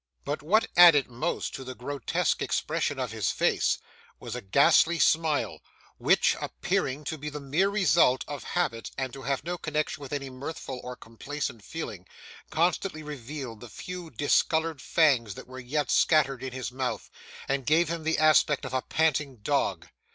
But what added most to the grotesque expression of his face was a ghastly smile, which, appearing to be the mere result of habit and to have no connection with any mirthful or complacent feeling, constantly revealed the few discoloured fangs that were yet scattered in his mouth, and gave him the aspect of a panting dog.